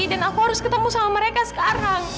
aku harus ketemu sama mereka sekarang